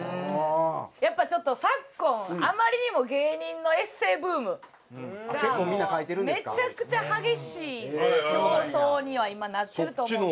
やっぱちょっと昨今あまりにも芸人のエッセイブームがめちゃくちゃ激しい競争には今なってると思うんです。